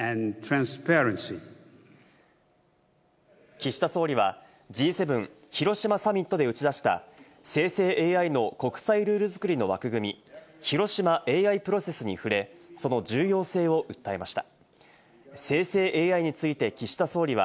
岸田総理は、Ｇ７広島サミットで打ち出した生成ＡＩの国際ルール作りの枠組み・広島ＡＩプロセスに触れ、その重要性を訴えました。